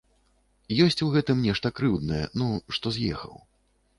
Ёсць у гэтым нешта крыўднае, ну, што з'ехаў.